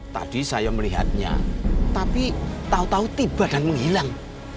tadi saya melihatnya tapi tau tau tiba dan menghilang